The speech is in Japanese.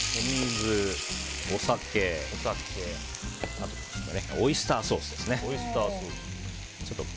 お酒、オイスターソースですね。